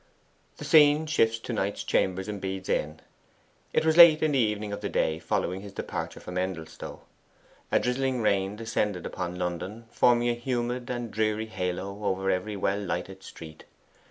The scene shifts to Knight's chambers in Bede's Inn. It was late in the evening of the day following his departure from Endelstow. A drizzling rain descended upon London, forming a humid and dreary halo over every well lighted street.